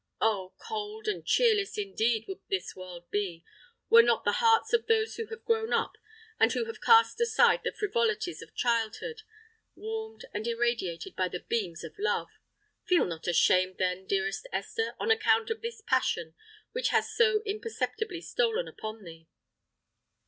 Oh! cold and cheerless, indeed, would this world be, were not the hearts of those who have grown up, and who have cast aside the frivolities of childhood, warmed and irradiated by the beams of Love! Feel not ashamed, then, dearest Esther, on account of this passion which has so imperceptibly stolen upon thee."